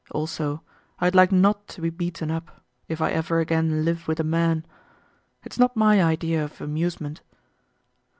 Also, I'd like not to be beaten up, if I ever again live with a man. It's not my idea of amusement."